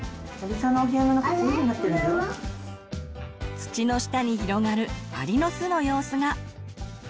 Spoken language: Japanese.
土の下に広がるアリの巣の様子が。